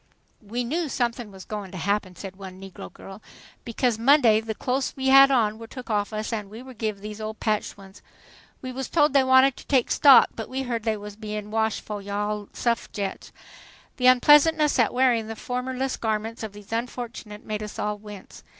"We knew somethin' was goin' to happen," said one negro girl, "because Monday the close we had on wer' took off us an' we were giv' these old patched ones. We wuz told they wanted to take 'stock,' but we heard they wuz bein' washed fo' you all suff'agettes." The unpleasantness at wearing the formless garments of these unfortunates made us all wince.